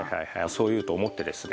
そう言うと思ってですね